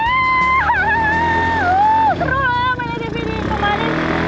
seru lah main atv ini